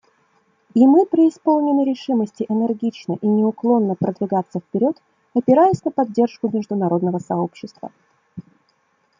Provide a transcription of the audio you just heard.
И мы преисполнены решимости энергично и неуклонно продвигаться вперед, опираясь на поддержку международного сообщества.